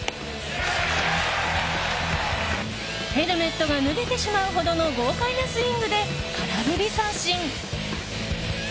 ヘルメットが脱げてしまうほどの豪快なスイングで空振り三振。